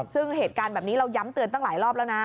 ซึ่งเหตุการณ์แบบนี้เราย้ำเตือนตั้งหลายรอบแล้วนะ